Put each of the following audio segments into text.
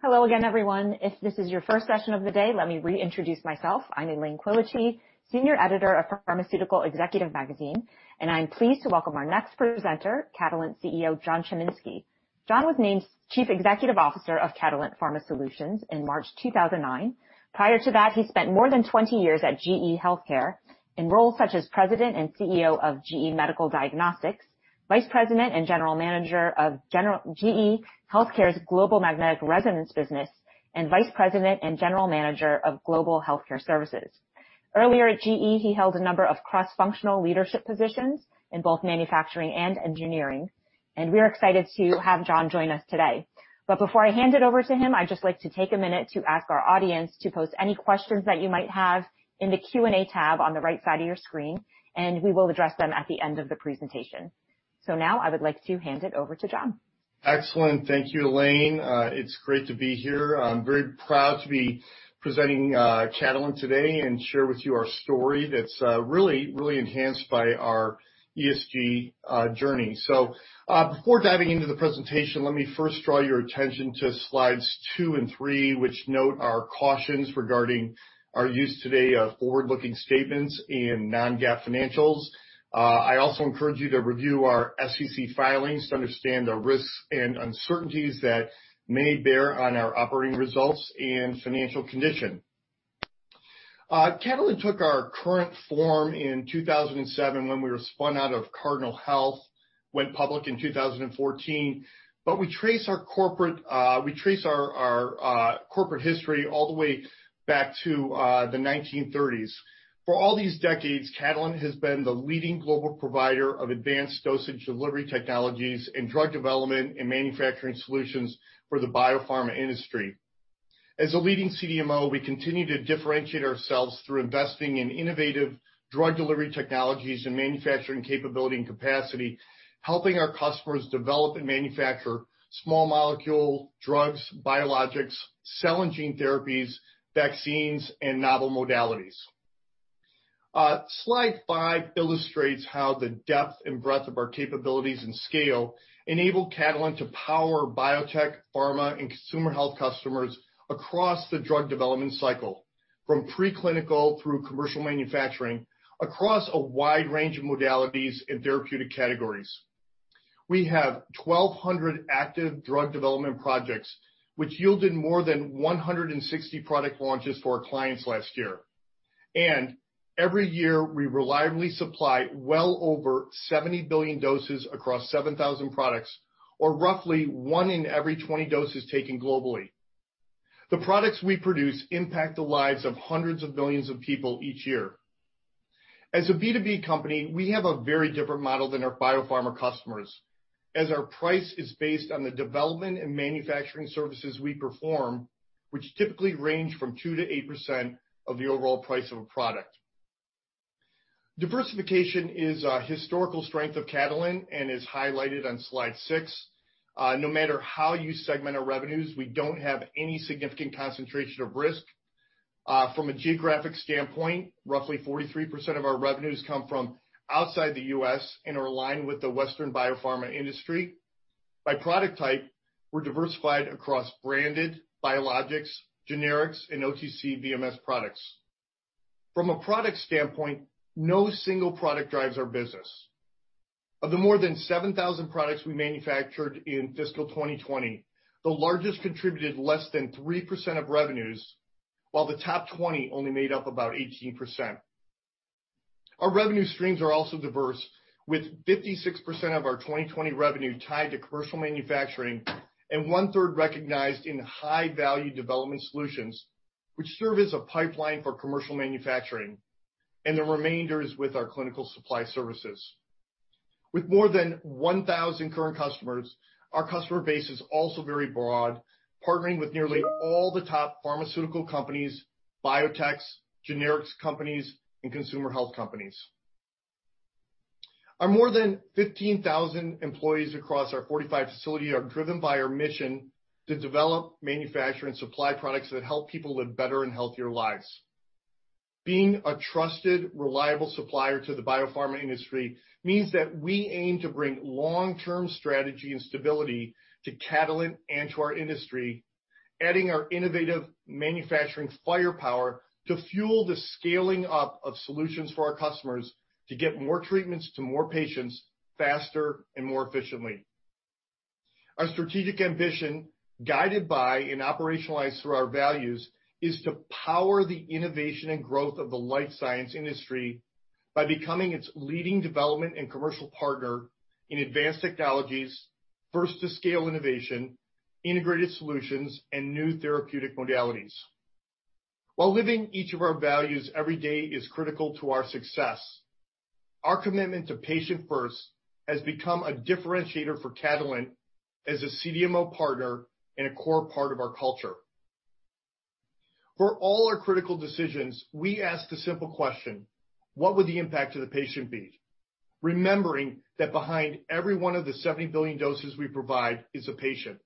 Hello again, everyone. If this is your first session of the day, let me reintroduce myself. I'm Elaine Quilici, Senior Editor of Pharmaceutical Executive Magazine, and I'm pleased to welcome our next presenter, Catalent CEO John Chiminski. John was named Chief Executive Officer of Catalent Pharma Solutions in March 2009. Prior to that, he spent more than 20 years at GE Healthcare in roles such as President and CEO of GE Medical Diagnostics, Vice President and General Manager of GE Healthcare's Global Magnetic Resonance business, and Vice President and General Manager of Global Healthcare Services. Earlier at GE, he held a number of cross-functional leadership positions in both manufacturing and engineering, and we are excited to have John join us today. But before I hand it over to him, I'd just like to take a minute to ask our audience to post any questions that you might have in the Q&A tab on the right side of your screen, and we will address them at the end of the presentation. So now I would like to hand it over to John. Excellent. Thank you, Elaine. It's great to be here. I'm very proud to be presenting Catalent today and share with you our story that's really, really enhanced by our ESG journey. So before diving into the presentation, let me first draw your attention to slides two and three, which note our cautions regarding our use today of forward-looking statements and non-GAAP financials. I also encourage you to review our SEC filings to understand the risks and uncertainties that may bear on our operating results and financial condition. Catalent took our current form in 2007 when we were spun out of Cardinal Health, went public in 2014, but we trace our corporate history all the way back to the 1930s. For all these decades, Catalent has been the leading global provider of advanced dosage delivery technologies and drug development and manufacturing solutions for the biopharma industry. As a leading CDMO, we continue to differentiate ourselves through investing in innovative drug delivery technologies and manufacturing capability and capacity, helping our customers develop and manufacture small molecule drugs, biologics, cell and gene therapies, vaccines, and novel modalities. Slide five illustrates how the depth and breadth of our capabilities and scale enable Catalent to power biotech, pharma, and consumer health customers across the drug development cycle, from preclinical through commercial manufacturing, across a wide range of modalities and therapeutic categories. We have 1,200 active drug development projects, which yielded more than 160 product launches for our clients last year. And every year, we reliably supply well over 70 billion doses across 7,000 products, or roughly one in every 20 doses taken globally. The products we produce impact the lives of hundreds of millions of people each year. As a B2B company, we have a very different model than our biopharma customers, as our price is based on the development and manufacturing services we perform, which typically range from 2% to 8% of the overall price of a product. Diversification is a historical strength of Catalent and is highlighted on slide six. No matter how you segment our revenues, we don't have any significant concentration of risk. From a geographic standpoint, roughly 43% of our revenues come from outside the U.S. and are aligned with the Western biopharma industry. By product type, we're diversified across branded, biologics, generics, and OTC VMS products. From a product standpoint, no single product drives our business. Of the more than 7,000 products we manufactured in fiscal 2020, the largest contributed less than 3% of revenues, while the top 20 only made up about 18%. Our revenue streams are also diverse, with 56% of our 2020 revenue tied to commercial manufacturing and one-third recognized in high-value development solutions, which serve as a pipeline for commercial manufacturing, and the remainder is with our clinical supply services. With more than 1,000 current customers, our customer base is also very broad, partnering with nearly all the top pharmaceutical companies, biotechs, generics companies, and consumer health companies. Our more than 15,000 employees across our 45 facilities are driven by our mission to develop, manufacture, and supply products that help people live better and healthier lives. Being a trusted, reliable supplier to the biopharma industry means that we aim to bring long-term strategy and stability to Catalent and to our industry, adding our innovative manufacturing firepower to fuel the scaling up of solutions for our customers to get more treatments to more patients faster and more efficiently. Our strategic ambition, guided by and operationalized through our values, is to power the innovation and growth of the life science industry by becoming its leading development and commercial partner in advanced technologies, first-to-scale innovation, integrated solutions, and new therapeutic modalities. While living each of our values every day is critical to our success, our commitment to patient-first has become a differentiator for Catalent as a CDMO partner and a core part of our culture. For all our critical decisions, we ask the simple question, "What would the impact of the patient be?" remembering that behind every one of the 70 billion doses we provide is a patient.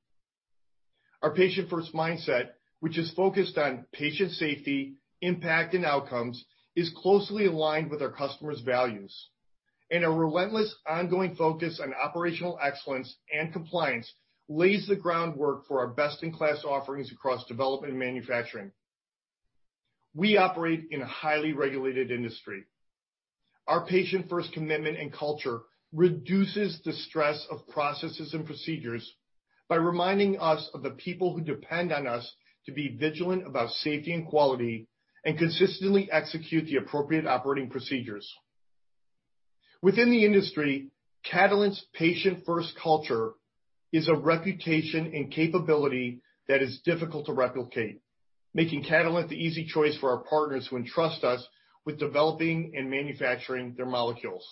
Our patient-first mindset, which is focused on patient safety, impact, and outcomes, is closely aligned with our customers' values. And our relentless ongoing focus on operational excellence and compliance lays the groundwork for our best-in-class offerings across development and manufacturing. We operate in a highly regulated industry. Our patient-first commitment and culture reduces the stress of processes and procedures by reminding us of the people who depend on us to be vigilant about safety and quality and consistently execute the appropriate operating procedures. Within the industry, Catalent's patient-first culture is a reputation and capability that is difficult to replicate, making Catalent the easy choice for our partners who entrust us with developing and manufacturing their molecules.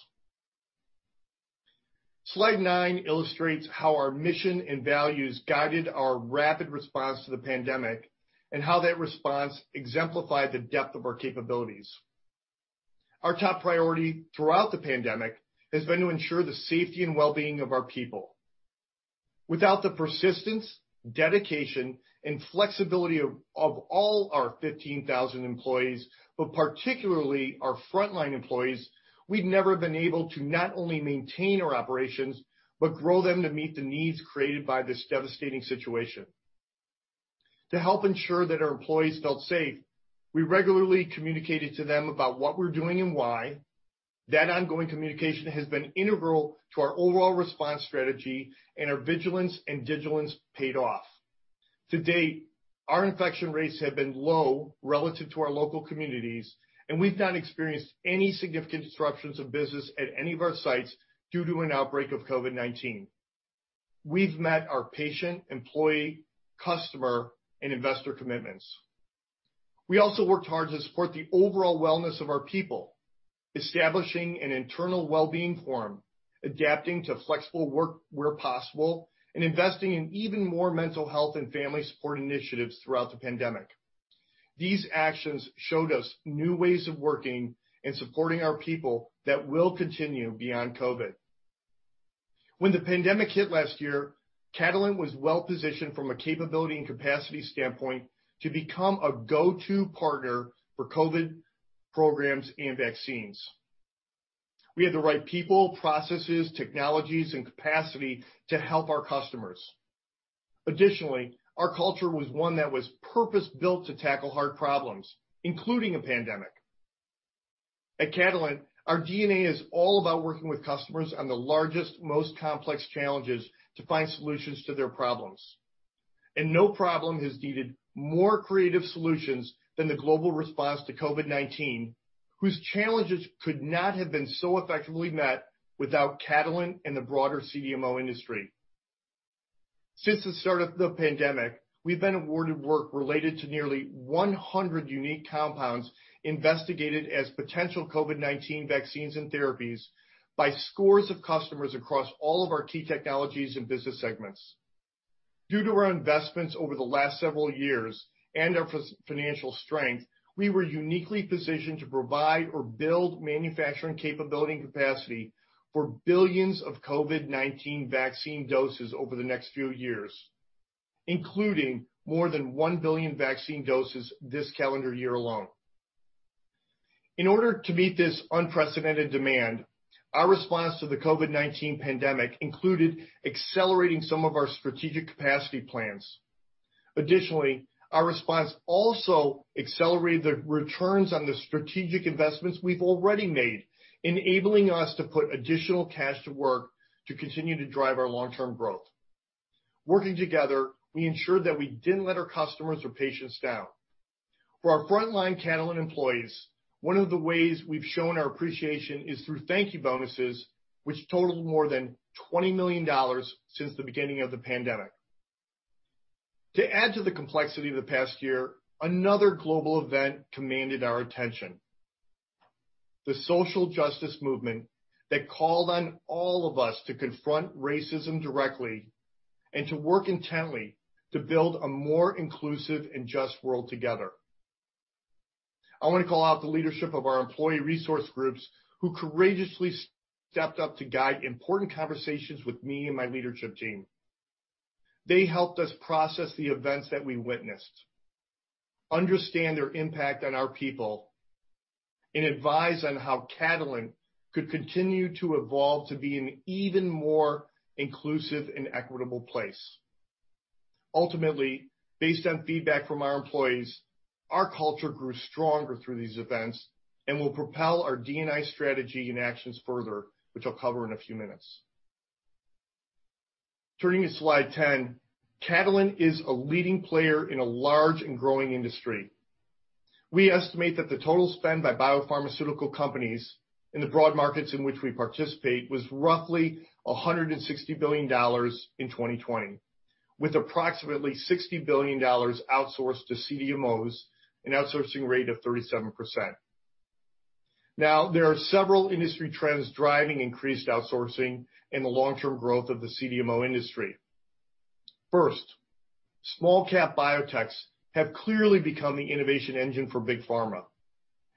Slide nine illustrates how our mission and values guided our rapid response to the pandemic and how that response exemplified the depth of our capabilities. Our top priority throughout the pandemic has been to ensure the safety and well-being of our people. Without the persistence, dedication, and flexibility of all our 15,000 employees, but particularly our frontline employees, we'd never have been able to not only maintain our operations but grow them to meet the needs created by this devastating situation. To help ensure that our employees felt safe, we regularly communicated to them about what we're doing and why. That ongoing communication has been integral to our overall response strategy, and our vigilance and diligence paid off. To date, our infection rates have been low relative to our local communities, and we've not experienced any significant disruptions of business at any of our sites due to an outbreak of COVID-19. We've met our patient, employee, customer, and investor commitments. We also worked hard to support the overall wellness of our people, establishing an internal well-being forum, adapting to flexible work where possible, and investing in even more mental health and family support initiatives throughout the pandemic. These actions showed us new ways of working and supporting our people that will continue beyond COVID. When the pandemic hit last year, Catalent was well-positioned from a capability and capacity standpoint to become a go-to partner for COVID programs and vaccines. We had the right people, processes, technologies, and capacity to help our customers. Additionally, our culture was one that was purpose-built to tackle hard problems, including a pandemic. At Catalent, our DNA is all about working with customers on the largest, most complex challenges to find solutions to their problems. No problem has needed more creative solutions than the global response to COVID-19, whose challenges could not have been so effectively met without Catalent and the broader CDMO industry. Since the start of the pandemic, we've been awarded work related to nearly 100 unique compounds investigated as potential COVID-19 vaccines and therapies by scores of customers across all of our key technologies and business segments. Due to our investments over the last several years and our financial strength, we were uniquely positioned to provide or build manufacturing capability and capacity for billions of COVID-19 vaccine doses over the next few years, including more than one billion vaccine doses this calendar year alone. In order to meet this unprecedented demand, our response to the COVID-19 pandemic included accelerating some of our strategic capacity plans. Additionally, our response also accelerated the returns on the strategic investments we've already made, enabling us to put additional cash to work to continue to drive our long-term growth. Working together, we ensured that we didn't let our customers or patients down. For our frontline Catalent employees, one of the ways we've shown our appreciation is through thank-you bonuses, which totaled more than $20 million since the beginning of the pandemic. To add to the complexity of the past year, another global event commanded our attention: the social justice movement that called on all of us to confront racism directly and to work intently to build a more inclusive and just world together. I want to call out the leadership of our employee resource groups who courageously stepped up to guide important conversations with me and my leadership team. They helped us process the events that we witnessed, understand their impact on our people, and advise on how Catalent could continue to evolve to be an even more inclusive and equitable place. Ultimately, based on feedback from our employees, our culture grew stronger through these events and will propel our D&I strategy and actions further, which I'll cover in a few minutes. Turning to slide 10, Catalent is a leading player in a large and growing industry. We estimate that the total spend by biopharmaceutical companies in the broad markets in which we participate was roughly $160 billion in 2020, with approximately $60 billion outsourced to CDMOs, an outsourcing rate of 37%. Now, there are several industry trends driving increased outsourcing and the long-term growth of the CDMO industry. First, small-cap biotechs have clearly become the innovation engine for big pharma.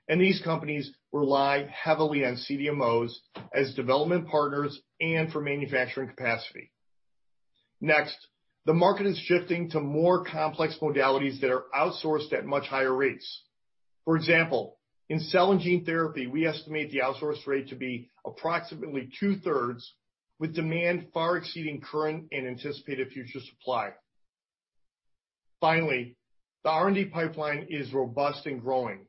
These companies rely heavily on CDMOs as development partners and for manufacturing capacity. Next, the market is shifting to more complex modalities that are outsourced at much higher rates. For example, in cell and gene therapy, we estimate the outsourced rate to be approximately two-thirds, with demand far exceeding current and anticipated future supply. Finally, the R&D pipeline is robust and growing,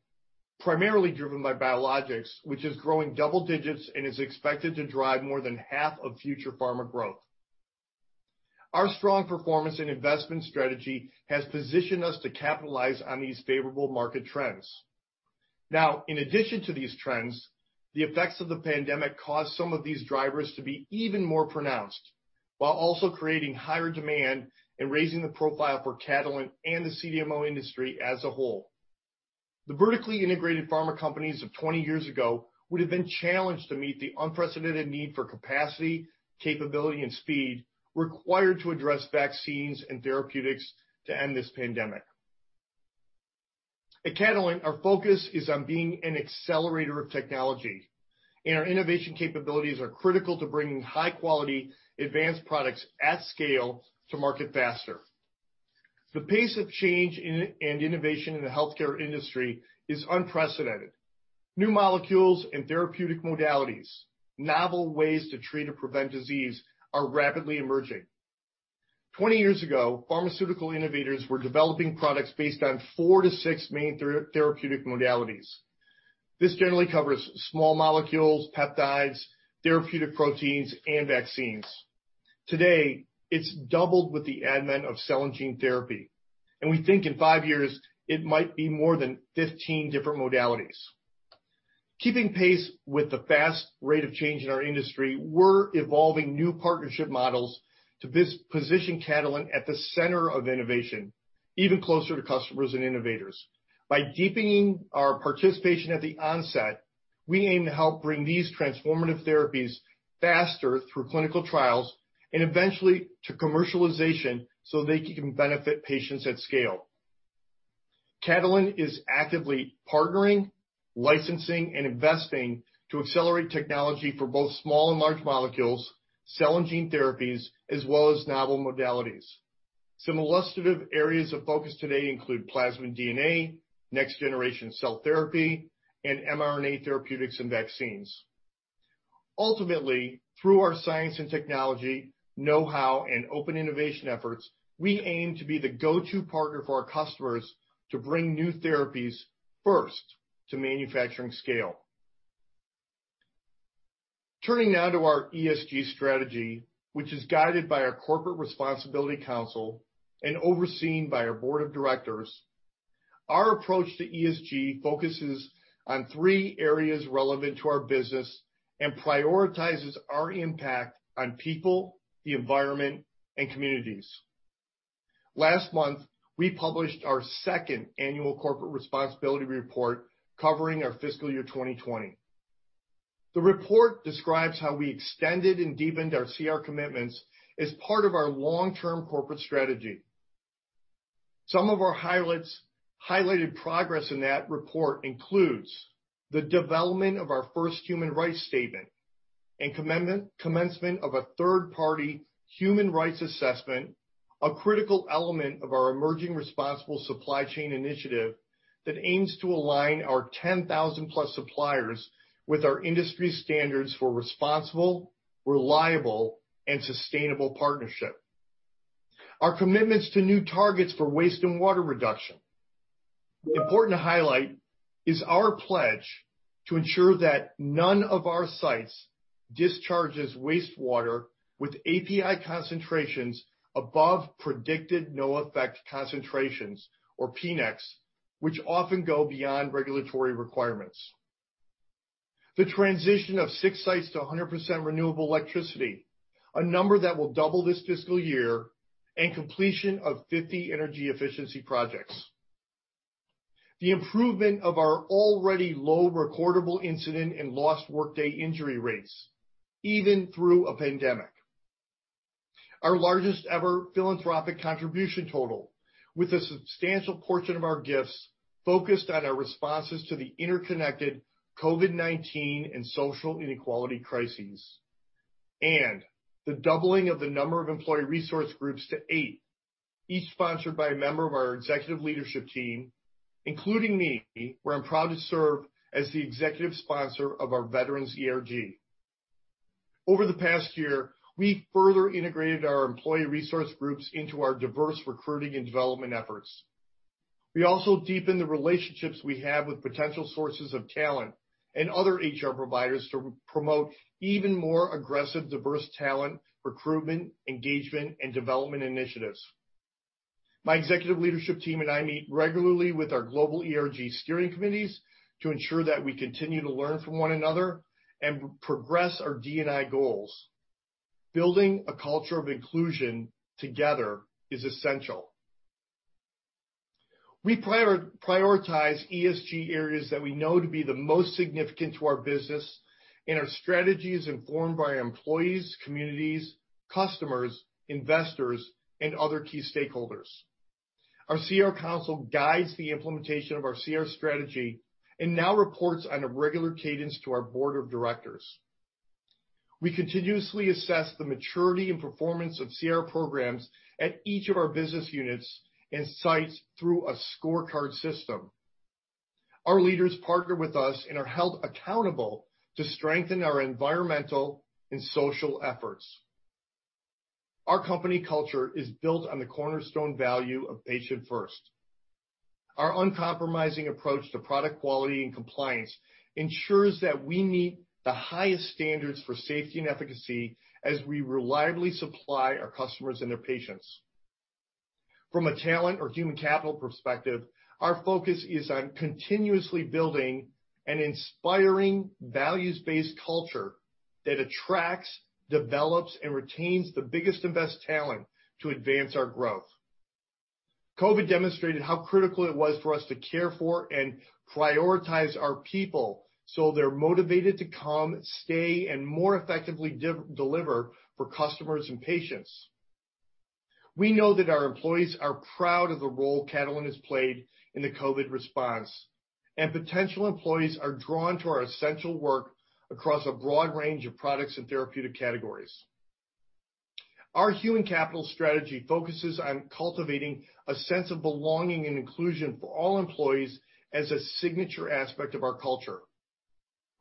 primarily driven by biologics, which is growing double digits and is expected to drive more than half of future pharma growth. Our strong performance and investment strategy has positioned us to capitalize on these favorable market trends. Now, in addition to these trends, the effects of the pandemic caused some of these drivers to be even more pronounced, while also creating higher demand and raising the profile for Catalent and the CDMO industry as a whole. The vertically integrated pharma companies of 20 years ago would have been challenged to meet the unprecedented need for capacity, capability, and speed required to address vaccines and therapeutics to end this pandemic. At Catalent, our focus is on being an accelerator of technology, and our innovation capabilities are critical to bringing high-quality advanced products at scale to market faster. The pace of change and innovation in the healthcare industry is unprecedented. New molecules and therapeutic modalities, novel ways to treat or prevent disease, are rapidly emerging. Twenty years ago, pharmaceutical innovators were developing products based on four to six main therapeutic modalities. This generally covers small molecules, peptides, therapeutic proteins, and vaccines. Today, it's doubled with the advent of cell and gene therapy, and we think in five years, it might be more than 15 different modalities. Keeping pace with the fast rate of change in our industry, we're evolving new partnership models to position Catalent at the center of innovation, even closer to customers and innovators. By deepening our participation at the onset, we aim to help bring these transformative therapies faster through clinical trials and eventually to commercialization so they can benefit patients at scale. Catalent is actively partnering, licensing, and investing to accelerate technology for both small and large molecules, cell and gene therapies, as well as novel modalities. Some illustrative areas of focus today include plasmid and DNA, next-generation cell therapy, and mRNA therapeutics and vaccines. Ultimately, through our science and technology, know-how, and open innovation efforts, we aim to be the go-to partner for our customers to bring new therapies first to manufacturing scale. Turning now to our ESG strategy, which is guided by our Corporate Responsibility Council and overseen by our board of directors, our approach to ESG focuses on three areas relevant to our business and prioritizes our impact on people, the environment, and communities. Last month, we published our second annual Corporate Responsibility Report covering our fiscal year 2020. The report describes how we extended and deepened our CR commitments as part of our long-term corporate strategy. Some of our highlights highlighted progress in that report includes the development of our first human rights statement and commencement of a third-party human rights assessment, a critical element of our emerging responsible supply chain initiative that aims to align our 10,000-plus suppliers with our industry standards for responsible, reliable, and sustainable partnership. Our commitments to new targets for waste and water reduction. Important to highlight is our pledge to ensure that none of our sites discharges wastewater with API concentrations above predicted no-effect concentrations, or PNECs, which often go beyond regulatory requirements. The transition of six sites to 100% renewable electricity, a number that will double this fiscal year, and completion of 50 energy efficiency projects. The improvement of our already low recordable incident and lost workday injury rates, even through a pandemic. Our largest ever philanthropic contribution total, with a substantial portion of our gifts focused on our responses to the interconnected COVID-19 and social inequality crises, and the doubling of the number of employee resource groups to eight, each sponsored by a member of our executive leadership team, including me, where I'm proud to serve as the executive sponsor of our Veterans ERG. Over the past year, we further integrated our employee resource groups into our diverse recruiting and development efforts. We also deepened the relationships we have with potential sources of talent and other HR providers to promote even more aggressive diverse talent recruitment, engagement, and development initiatives. My executive leadership team and I meet regularly with our global ERG steering committees to ensure that we continue to learn from one another and progress our D&I goals. Building a culture of inclusion together is essential. We prioritize ESG areas that we know to be the most significant to our business, and our strategy is informed by our employees, communities, customers, investors, and other key stakeholders. Our CR council guides the implementation of our CR strategy and now reports on a regular cadence to our board of directors. We continuously assess the maturity and performance of CR programs at each of our business units and sites through a scorecard system. Our leaders partner with us and are held accountable to strengthen our environmental and social efforts. Our company culture is built on the cornerstone value of patient-first. Our uncompromising approach to product quality and compliance ensures that we meet the highest standards for safety and efficacy as we reliably supply our customers and their patients. From a talent or human capital perspective, our focus is on continuously building an inspiring values-based culture that attracts, develops, and retains the biggest and best talent to advance our growth. COVID demonstrated how critical it was for us to care for and prioritize our people so they're motivated to come, stay, and more effectively deliver for customers and patients. We know that our employees are proud of the role Catalent has played in the COVID response, and potential employees are drawn to our essential work across a broad range of products and therapeutic categories. Our human capital strategy focuses on cultivating a sense of belonging and inclusion for all employees as a signature aspect of our culture.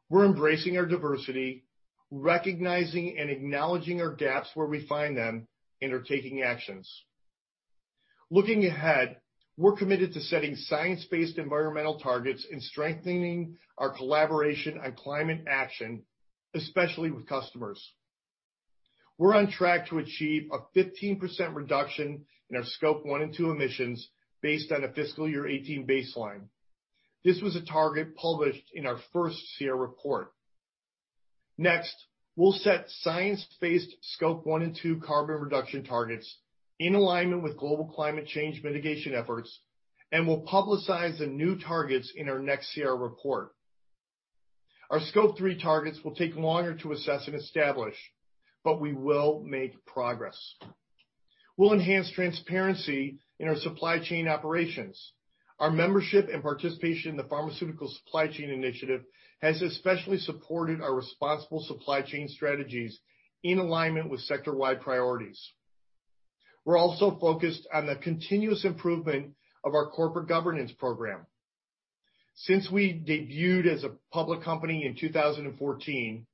We're embracing our diversity, recognizing and acknowledging our gaps where we find them, and are taking actions. Looking ahead, we're committed to setting science-based environmental targets and strengthening our collaboration on climate action, especially with customers. We're on track to achieve a 15% reduction in our Scope 1 and 2 emissions based on a fiscal year 2018 baseline. This was a target published in our first CR report. Next, we'll set science-based Scope 1 and 2 carbon reduction targets in alignment with global climate change mitigation efforts, and we'll publicize the new targets in our next CR report. Our Scope 3 targets will take longer to assess and establish, but we will make progress. We'll enhance transparency in our supply chain operations. Our membership and participation in the Pharmaceutical Supply Chain Initiative has especially supported our responsible supply chain strategies in alignment with sector-wide priorities. We're also focused on the continuous improvement of our corporate governance program. Since we debuted as a public company in 2014,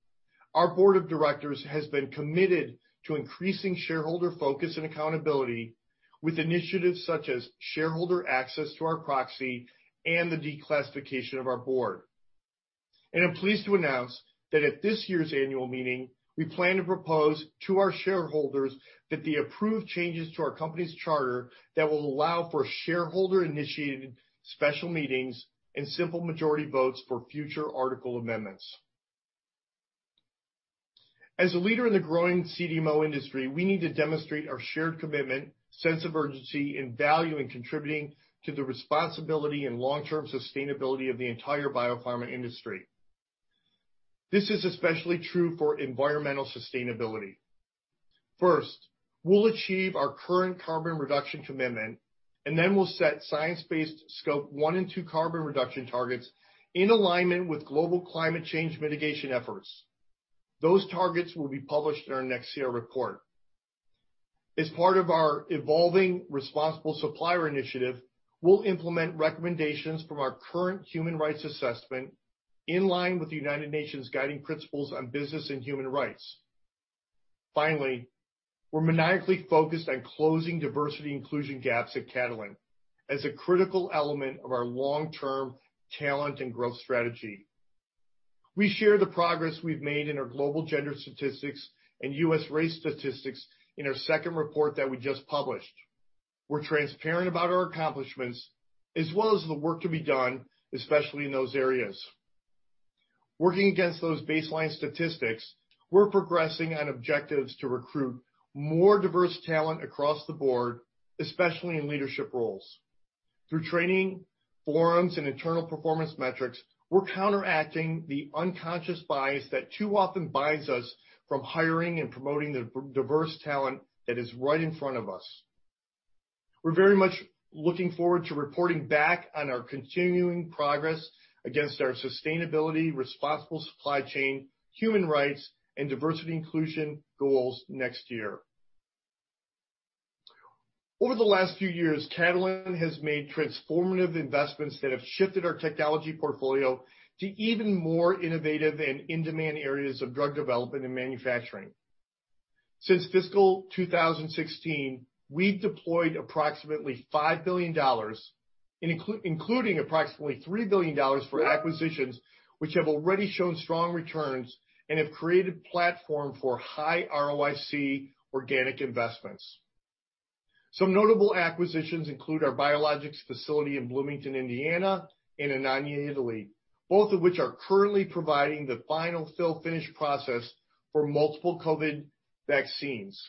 our board of directors has been committed to increasing shareholder focus and accountability with initiatives such as shareholder access to our proxy and the declassification of our board. I'm pleased to announce that at this year's annual meeting, we plan to propose to our shareholders that the approved changes to our company's charter that will allow for shareholder-initiated special meetings and simple majority votes for future article amendments. As a leader in the growing CDMO industry, we need to demonstrate our shared commitment, sense of urgency, and value in contributing to the responsibility and long-term sustainability of the entire biopharma industry. This is especially true for environmental sustainability. First, we'll achieve our current carbon reduction commitment, and then we'll set science-based Scope 1 and 2 carbon reduction targets in alignment with global climate change mitigation efforts. Those targets will be published in our next CR report. As part of our evolving responsible supplier initiative, we'll implement recommendations from our current human rights assessment in line with the United Nations' Guiding Principles on Business and Human Rights. Finally, we're maniacally focused on closing diversity inclusion gaps at Catalent as a critical element of our long-term talent and growth strategy. We share the progress we've made in our global gender statistics and U.S. race statistics in our second report that we just published. We're transparent about our accomplishments, as well as the work to be done, especially in those areas. Working against those baseline statistics, we're progressing on objectives to recruit more diverse talent across the board, especially in leadership roles. Through training, forums, and internal performance metrics, we're counteracting the unconscious bias that too often binds us from hiring and promoting the diverse talent that is right in front of us. We're very much looking forward to reporting back on our continuing progress against our sustainability, responsible supply chain, human rights, and diversity inclusion goals next year. Over the last few years, Catalent has made transformative investments that have shifted our technology portfolio to even more innovative and in-demand areas of drug development and manufacturing. Since fiscal 2016, we've deployed approximately $5 billion, including approximately $3 billion for acquisitions, which have already shown strong returns and have created a platform for high ROIC organic investments. Some notable acquisitions include our biologics facility in Bloomington, Indiana, and Anagni, Italy, both of which are currently providing the final fill/finish process for multiple COVID-19 vaccines.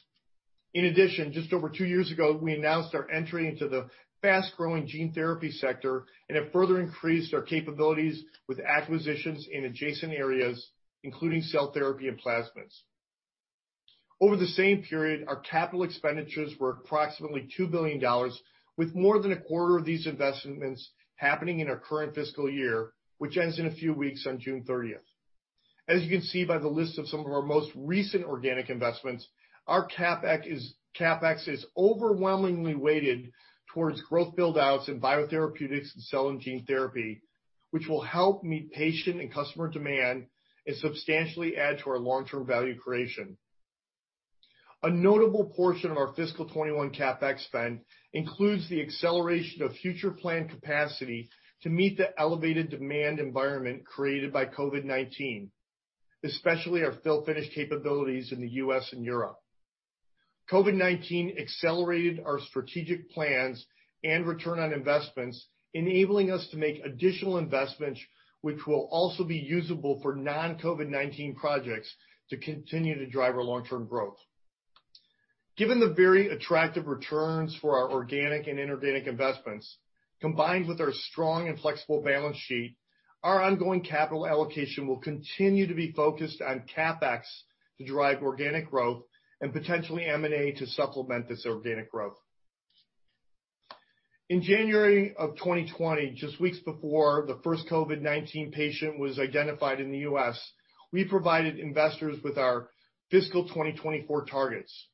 In addition, just over two years ago, we announced our entry into the fast-growing gene therapy sector and have further increased our capabilities with acquisitions in adjacent areas, including cell therapy and plasmids. Over the same period, our capital expenditures were approximately $2 billion, with more than a quarter of these investments happening in our current fiscal year, which ends in a few weeks on June 30th. As you can see by the list of some of our most recent organic investments, our CapEx is overwhelmingly weighted towards growth buildouts in biotherapeutics and cell and gene therapy, which will help meet patient and customer demand and substantially add to our long-term value creation. A notable portion of our fiscal 2021 CapEx spend includes the acceleration of future planned capacity to meet the elevated demand environment created by COVID-19, especially our fill/finish capabilities in the U.S. and Europe. COVID-19 accelerated our strategic plans and return on investments, enabling us to make additional investments, which will also be usable for non-COVID-19 projects to continue to drive our long-term growth. Given the very attractive returns for our organic and inorganic investments, combined with our strong and flexible balance sheet, our ongoing capital allocation will continue to be focused on CapEx to drive organic growth and potentially M&A to supplement this organic growth. In January of 2020, just weeks before the first COVID-19 patient was identified in the U.S., we provided investors with our fiscal 2024 targets.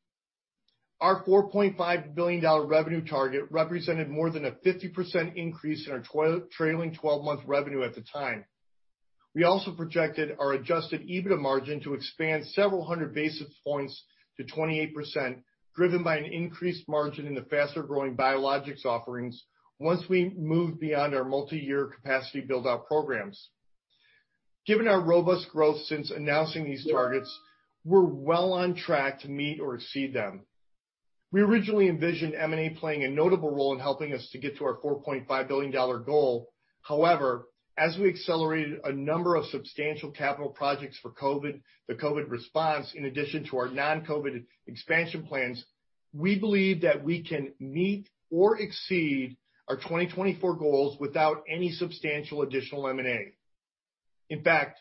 Our $4.5 billion revenue target represented more than a 50% increase in our trailing 12-month revenue at the time. We also projected our adjusted EBITDA margin to expand several hundred basis points to 28%, driven by an increased margin in the faster-growing biologics offerings once we move beyond our multi-year capacity buildout programs. Given our robust growth since announcing these targets, we're well on track to meet or exceed them. We originally envisioned M&A playing a notable role in helping us to get to our $4.5 billion goal. However, as we accelerated a number of substantial capital projects for COVID, the COVID response, in addition to our non-COVID expansion plans, we believe that we can meet or exceed our 2024 goals without any substantial additional M&A. In fact,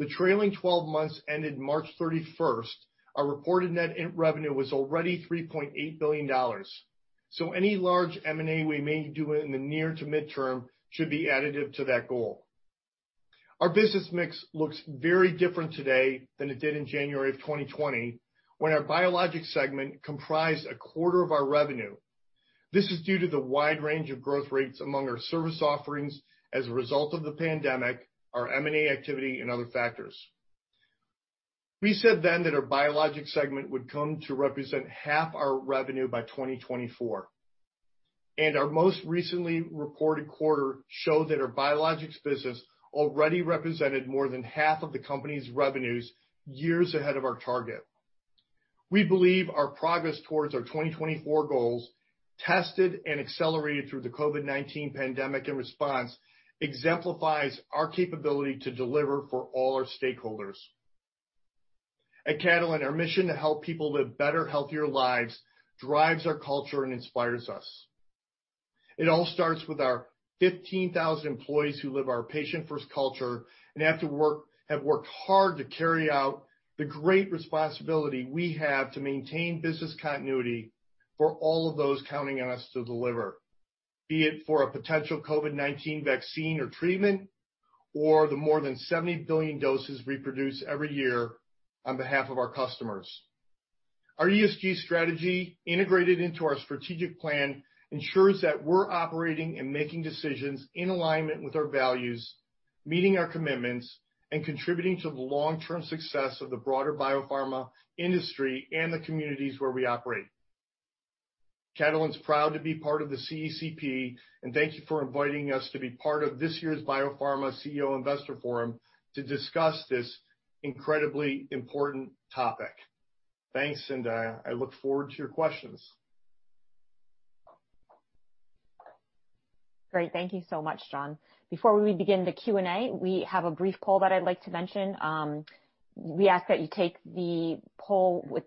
the trailing 12 months ended March 31st, our reported net revenue was already $3.8 billion. So any large M&A we may do in the near to midterm should be additive to that goal. Our business mix looks very different today than it did in January of 2020, when our biologics segment comprised a quarter of our revenue. This is due to the wide range of growth rates among our service offerings as a result of the pandemic, our M&A activity, and other factors. We said then that our biologics segment would come to represent half our revenue by 2024, and our most recently reported quarter showed that our biologics business already represented more than half of the company's revenues, years ahead of our target. We believe our progress towards our 2024 goals, tested and accelerated through the COVID-19 pandemic and response, exemplifies our capability to deliver for all our stakeholders. At Catalent, our mission to help people live better, healthier lives drives our culture and inspires us. It all starts with our 15,000 employees who live our patient-first culture and have worked hard to carry out the great responsibility we have to maintain business continuity for all of those counting on us to deliver, be it for a potential COVID-19 vaccine or treatment, or the more than 70 billion doses we produce every year on behalf of our customers. Our ESG strategy, integrated into our strategic plan, ensures that we're operating and making decisions in alignment with our values, meeting our commitments, and contributing to the long-term success of the broader biopharma industry and the communities where we operate. Catalent's proud to be part of the CECP, and thank you for inviting us to be part of this year's BioPharma CEO Investor Forum to discuss this incredibly important topic. Thanks, and I look forward to your questions. Great. Thank you so much, John. Before we begin the Q&A, we have a brief poll that I'd like to mention. We ask that you take the poll, which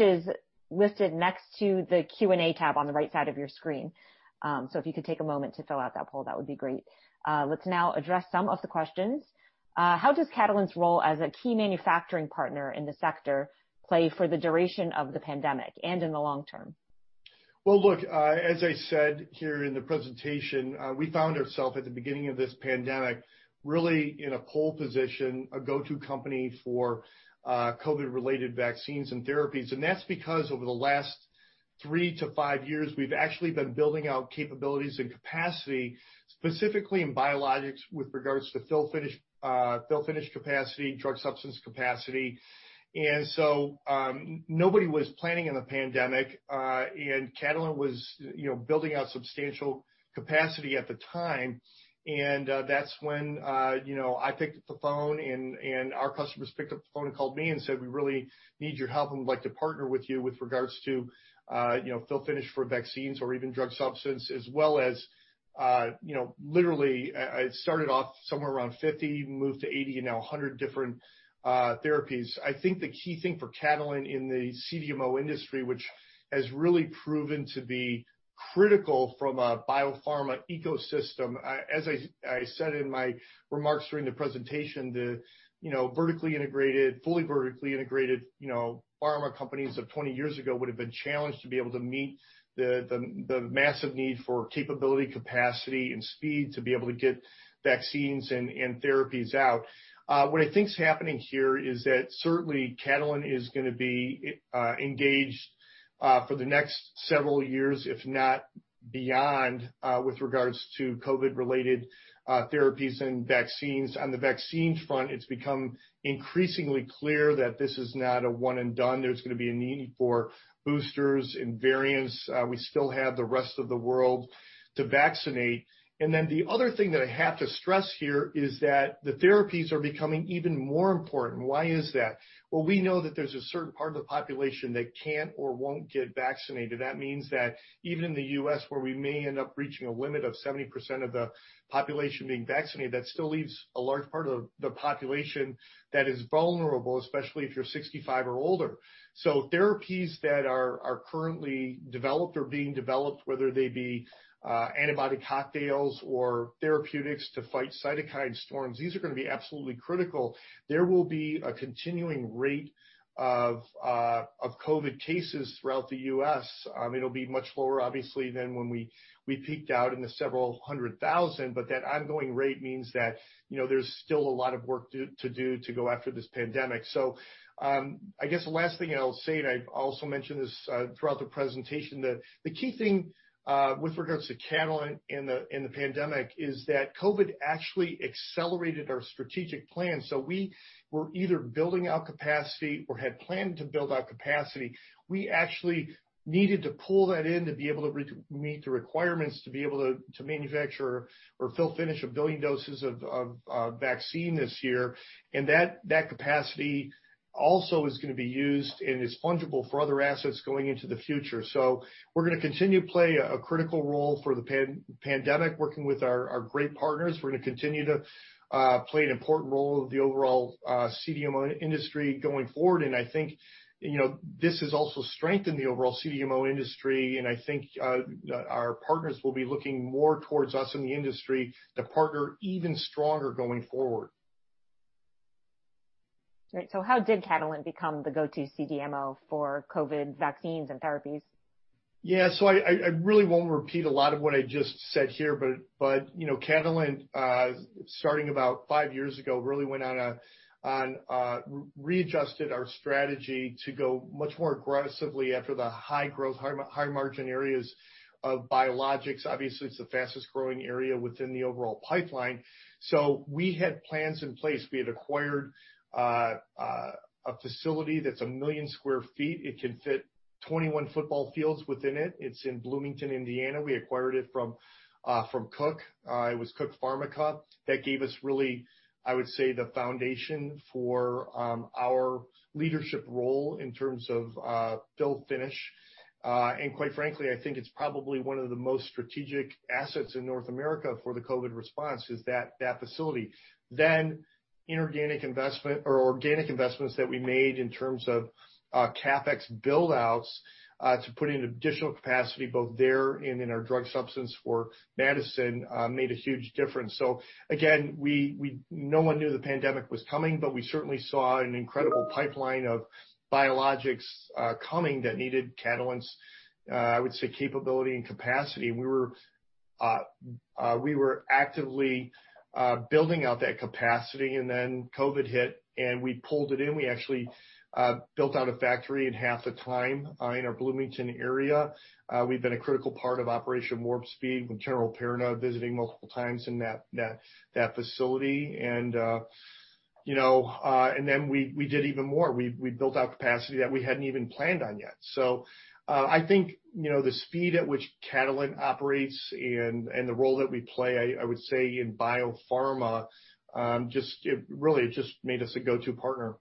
is listed next to the Q&A tab on the right side of your screen. So if you could take a moment to fill out that poll, that would be great. Let's now address some of the questions. How does Catalent's role as a key manufacturing partner in the sector play for the duration of the pandemic and in the long term? Look, as I said here in the presentation, we found ourselves at the beginning of this pandemic really in a pole position, a go-to company for COVID-related vaccines and therapies. That's because over the last three to five years, we've actually been building out capabilities and capacity, specifically in biologics with regards to fill/finish capacity, drug substance capacity. So nobody was planning on the pandemic, and Catalent was building out substantial capacity at the time. That's when I picked up the phone, and our customers picked up the phone and called me and said, "We really need your help and would like to partner with you with regards to fill/finish for vaccines or even drug substance," as well as literally it started off somewhere around 50, moved to 80, and now 100 different therapies. I think the key thing for Catalent in the CDMO industry, which has really proven to be critical from a biopharma ecosystem, as I said in my remarks during the presentation, the vertically integrated, fully vertically integrated pharma companies of 20 years ago would have been challenged to be able to meet the massive need for capability, capacity, and speed to be able to get vaccines and therapies out. What I think's happening here is that certainly Catalent is going to be engaged for the next several years, if not beyond, with regards to COVID-related therapies and vaccines. On the vaccine front, it's become increasingly clear that this is not a one-and-done. There's going to be a need for boosters and variants. We still have the rest of the world to vaccinate. The other thing that I have to stress here is that the therapies are becoming even more important. Why is that? We know that there's a certain part of the population that can't or won't get vaccinated. That means that even in the U.S., where we may end up reaching a limit of 70% of the population being vaccinated, that still leaves a large part of the population that is vulnerable, especially if you're 65 or older. So therapies that are currently developed or being developed, whether they be antibiotic cocktails or therapeutics to fight cytokine storms, these are going to be absolutely critical. There will be a continuing rate of COVID cases throughout the U.S. It'll be much lower, obviously, than when we peaked out in the several hundred thousand, but that ongoing rate means that there's still a lot of work to do to go after this pandemic, so I guess the last thing I'll say, and I've also mentioned this throughout the presentation, the key thing with regards to Catalent and the pandemic is that COVID actually accelerated our strategic plan, so we were either building out capacity or had planned to build out capacity. We actually needed to pull that in to be able to meet the requirements to be able to manufacture or fill/finish a billion doses of vaccine this year, and that capacity also is going to be used, and it's fungible for other assets going into the future, so we're going to continue to play a critical role for the pandemic, working with our great partners. We're going to continue to play an important role in the overall CDMO industry going forward, and I think this has also strengthened the overall CDMO industry. I think our partners will be looking more towards us in the industry to partner even stronger going forward. Great. So how did Catalent become the go-to CDMO for COVID vaccines and therapies? Yeah. So I really won't repeat a lot of what I just said here, but Catalent, starting about five years ago, really went on a readjusted our strategy to go much more aggressively after the high growth, high margin areas of biologics. Obviously, it's the fastest growing area within the overall pipeline. So we had plans in place. We had acquired a facility that's a million sq ft. It can fit 21 football fields within it. It's in Bloomington, Indiana. We acquired it from Cook. It was Cook Pharmica. That gave us really, I would say, the foundation for our leadership role in terms of fill/finish. And quite frankly, I think it's probably one of the most strategic assets in North America for the COVID response, is that facility. Then inorganic investments that we made in terms of CapEx buildouts to put in additional capacity both there and in our drug substance in Madison made a huge difference. So again, no one knew the pandemic was coming, but we certainly saw an incredible pipeline of biologics coming that needed Catalent's, I would say, capability and capacity. We were actively building out that capacity, and then COVID hit, and we pulled it in. We actually built out a factory in half the time in our Bloomington area. We've been a critical part of Operation Warp Speed with General Perna visiting multiple times in that facility. And then we did even more. We built out capacity that we hadn't even planned on yet. So I think the speed at which Catalent operates and the role that we play, I would say, in biopharma, really, it just made us a go-to partner.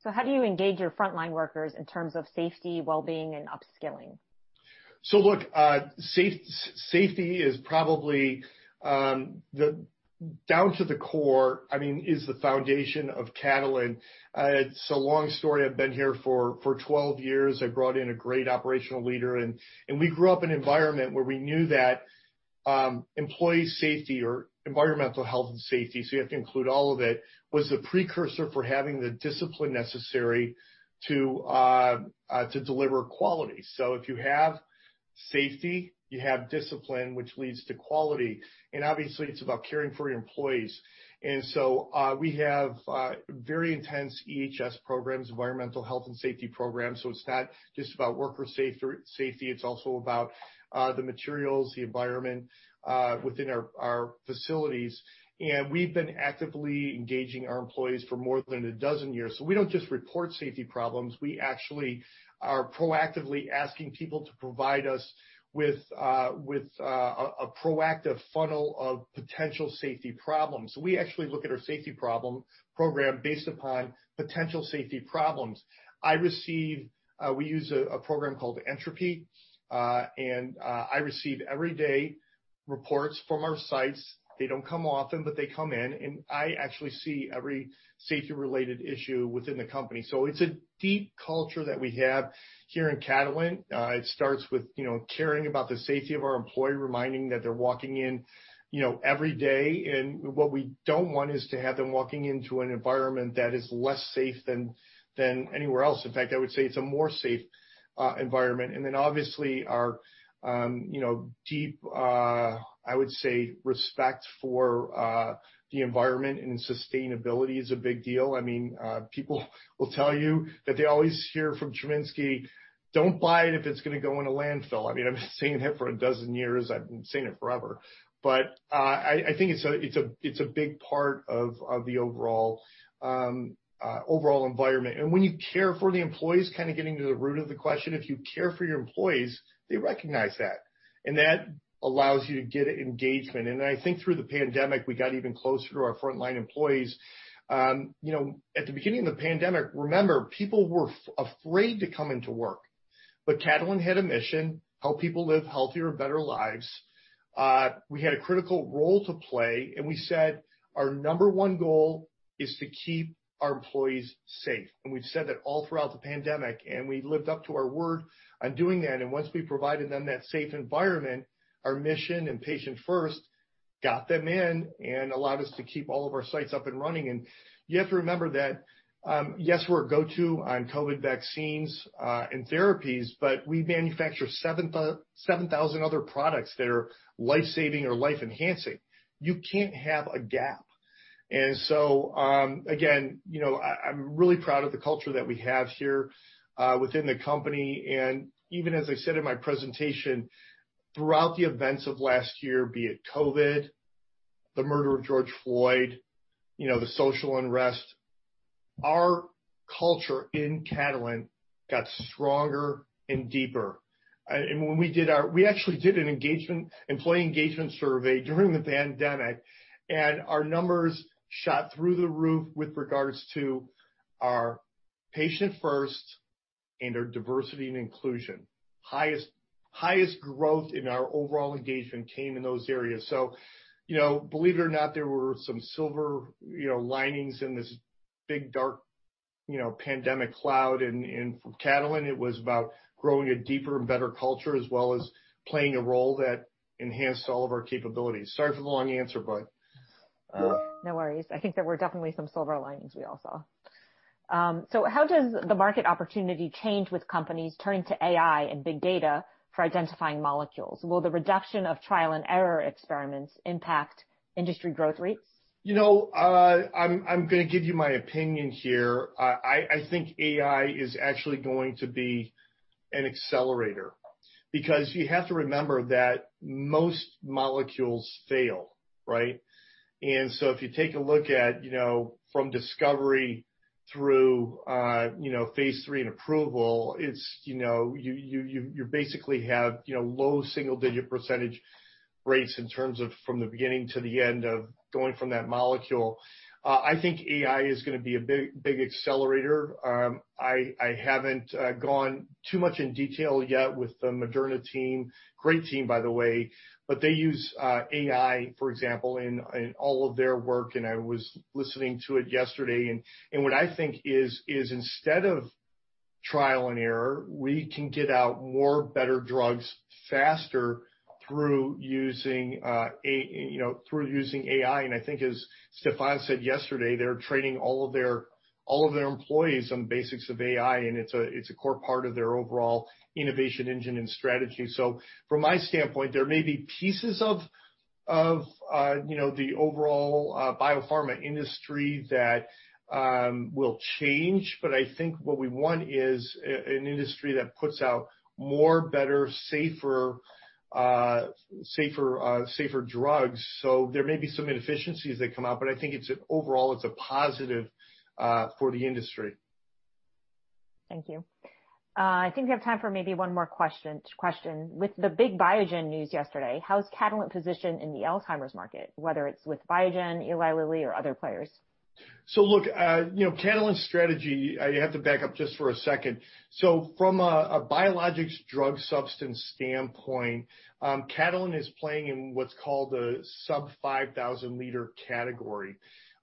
So how do you engage your frontline workers in terms of safety, well-being, and upskilling? So look, safety is probably down to the core, I mean, is the foundation of Catalent. It's a long story. I've been here for 12 years. I brought in a great operational leader. And we grew up in an environment where we knew that employee safety or environmental health and safety, so you have to include all of it, was the precursor for having the discipline necessary to deliver quality. So if you have safety, you have discipline, which leads to quality. And obviously, it's about caring for your employees. And so we have very intense EHS programs, environmental health and safety programs. So it's not just about worker safety. It's also about the materials, the environment within our facilities. And we've been actively engaging our employees for more than a dozen years. So we don't just report safety problems. We actually are proactively asking people to provide us with a proactive funnel of potential safety problems. So we actually look at our safety program based upon potential safety problems. We use a program called Entropy, and I receive every day reports from our sites. They don't come often, but they come in. And I actually see every safety-related issue within the company. So it's a deep culture that we have here in Catalent. It starts with caring about the safety of our employee, reminding that they're walking in every day. And what we don't want is to have them walking into an environment that is less safe than anywhere else. In fact, I would say it's a more safe environment. And then obviously, our deep, I would say, respect for the environment and sustainability is a big deal. I mean, people will tell you that they always hear from Chiminski, "Don't buy it if it's going to go in a landfill." I mean, I've been saying that for a dozen years. I've been saying it forever, but I think it's a big part of the overall environment, and when you care for the employees, kind of getting to the root of the question, if you care for your employees, they recognize that, and that allows you to get engagement, and I think through the pandemic, we got even closer to our frontline employees. At the beginning of the pandemic, remember, people were afraid to come into work, but Catalent had a mission: help people live healthier, better lives. We had a critical role to play, and we said, "Our number one goal is to keep our employees safe," and we've said that all throughout the pandemic. And we lived up to our word on doing that. And once we provided them that safe environment, our mission and patient-first got them in and allowed us to keep all of our sites up and running. And you have to remember that, yes, we're a go-to on COVID vaccines and therapies, but we manufacture 7,000 other products that are lifesaving or life-enhancing. You can't have a gap. And so again, I'm really proud of the culture that we have here within the company. And even as I said in my presentation, throughout the events of last year, be it COVID, the murder of George Floyd, the social unrest, our culture in Catalent got stronger and deeper. And when we did, we actually did an employee engagement survey during the pandemic, and our numbers shot through the roof with regards to our patient-first and our diversity and inclusion. Highest growth in our overall engagement came in those areas. So believe it or not, there were some silver linings in this big dark pandemic cloud. And for Catalent, it was about growing a deeper and better culture as well as playing a role that enhanced all of our capabilities. Sorry for the long answer, but. No worries. I think there were definitely some silver linings we all saw. So how does the market opportunity change with companies turning to AI and big data for identifying molecules? Will the reduction of trial and error experiments impact industry growth rates? You know, I'm going to give you my opinion here. I think AI is actually going to be an accelerator because you have to remember that most molecules fail, right? And so if you take a look at from discovery through phase three and approval, you basically have low single-digit % rates in terms of from the beginning to the end of going from that molecule. I think AI is going to be a big accelerator. I haven't gone too much in detail yet with the Moderna team, great team, by the way, but they use AI, for example, in all of their work. And I was listening to it yesterday. And what I think is instead of trial and error, we can get out more better drugs faster through using AI. I think, as Stéphane said yesterday, they're training all of their employees on the basics of AI, and it's a core part of their overall innovation engine and strategy. So from my standpoint, there may be pieces of the overall biopharma industry that will change, but I think what we want is an industry that puts out more better, safer drugs. So there may be some inefficiencies that come out, but I think overall, it's a positive for the industry. Thank you. I think we have time for maybe one more question. With the big Biogen news yesterday, how is Catalent positioned in the Alzheimer's market, whether it's with Biogen, Eli Lilly, or other players? So look, Catalent's strategy, I have to back up just for a second. So from a biologics drug substance standpoint, Catalent is playing in what's called the sub-5,000-liter category.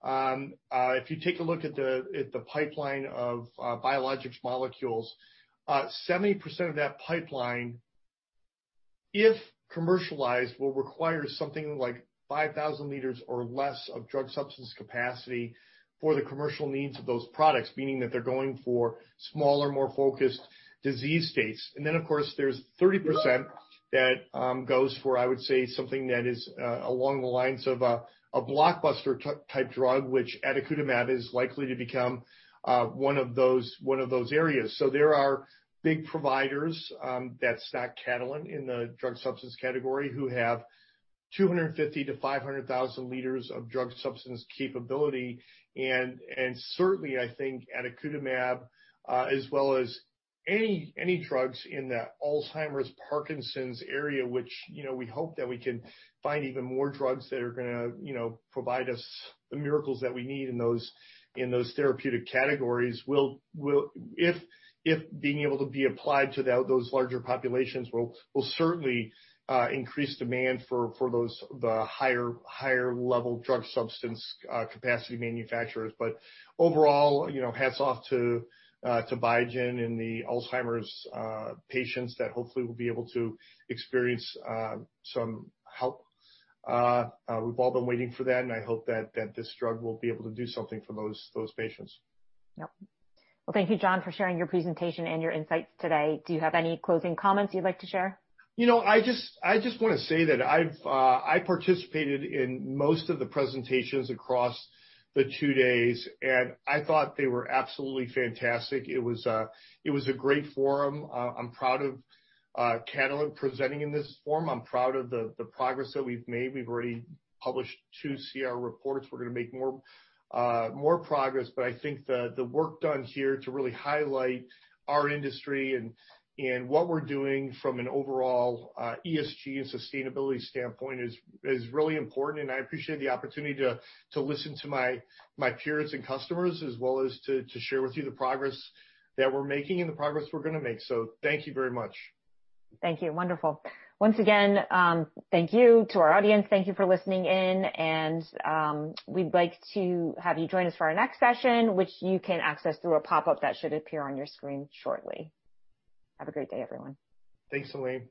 If you take a look at the pipeline of biologics molecules, 70% of that pipeline, if commercialized, will require something like 5,000 liters or less of drug substance capacity for the commercial needs of those products, meaning that they're going for smaller, more focused disease states. And then, of course, there's 30% that goes for, I would say, something that is along the lines of a blockbuster-type drug, which aducanumab is likely to become one of those areas. So there are big providers—that's not Catalent—in the drug substance category who have 250-500,000 liters of drug substance capability. Certainly, I think aducanumab, as well as any drugs in the Alzheimer's, Parkinson's area, which we hope that we can find even more drugs that are going to provide us the miracles that we need in those therapeutic categories, if being able to be applied to those larger populations, will certainly increase demand for the higher-level drug substance capacity manufacturers. But overall, hats off to Biogen and the Alzheimer's patients that hopefully will be able to experience some help. We've all been waiting for that, and I hope that this drug will be able to do something for those patients. Yep. Well, thank you, John, for sharing your presentation and your insights today. Do you have any closing comments you'd like to share? You know, I just want to say that I participated in most of the presentations across the two days, and I thought they were absolutely fantastic. It was a great forum. I'm proud of Catalent presenting in this forum. I'm proud of the progress that we've made. We've already published two CR reports. We're going to make more progress. But I think the work done here to really highlight our industry and what we're doing from an overall ESG and sustainability standpoint is really important. And I appreciate the opportunity to listen to my peers and customers as well as to share with you the progress that we're making and the progress we're going to make. So thank you very much. Thank you. Wonderful. Once again, thank you to our audience. Thank you for listening in. And we'd like to have you join us for our next session, which you can access through a pop-up that should appear on your screen shortly. Have a great day, everyone. Thanks, Elaine.